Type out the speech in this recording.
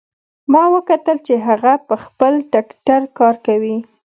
ما وکتل چې هغه په خپل ټکټر کار کوي